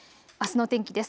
あすの天気です。